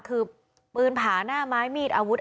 คือปืนผาหน้าไม้มีดอาวุธ